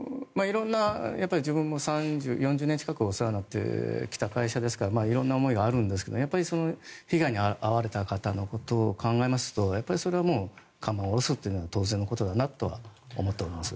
色んな、自分も４０年近くお世話になってきた会社ですから色んな思いがあるんですがやはり被害に遭われた方のことを考えるとそれは看板を下ろすというのは当然のことだと思っております。